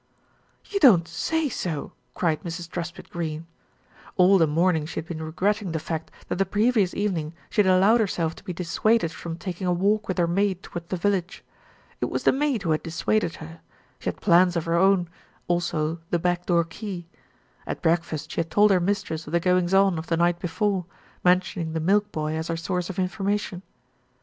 "You don't say so !" cried Mrs. Truspitt Greene. All the morning she had been regretting the fact that the previous evening she had allowed herself to be dis suaded from taking a walk with her maid towards the village. It was the maid who had dissuaded her; she had plans of her own, also the back door key. At breakfast she had told her mistress of the "goings on" of the night before, mentioning the milk boy as her source of information.